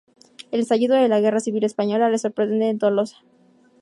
El estallido de la Guerra Civil Española le sorprende en Tolosa.